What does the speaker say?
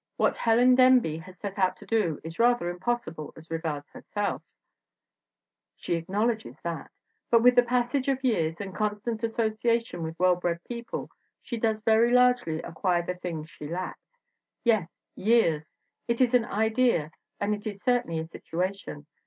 What Helen Denby has set out to do is rather impossible as regards herself, she acknowledges that; but with the passage of years and constant association with well bred people she does very largely acquire the things she lacked. Yes, years! It is an idea and it is certainly a situation.